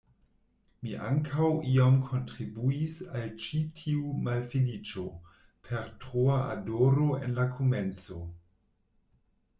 Mi ankaŭ iom kontribuis al ĉi tiu malfeliĉo per troa adoro en la komenco.